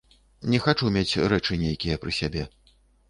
Не хачу мець рэчы нейкія пры сябе.